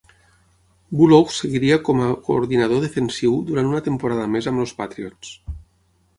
Bullough seguiria com a coordinador defensiu durant una temporada més amb els Patriots.